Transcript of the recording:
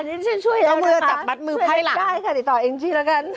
อันนี้ฉันช่วยแล้วนะคะช่วยแล้วได้ค่ะติดต่อเอ็งจี้แล้วกัน